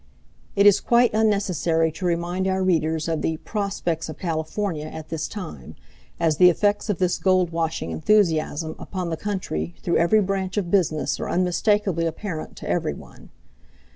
It is quite unnecessary to remind our readers of the "prospects of California" at this time, as the effects of this gold washing enthusiasm, upon the country, through every branch of business are unmistakably apparent to every one.